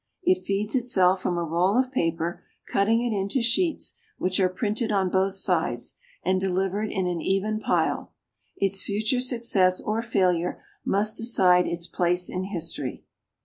"It feeds itself from a roll of paper, cutting it into sheets, which are printed on both sides, and delivered in an even pile." Its future success or failure must decide its place in history.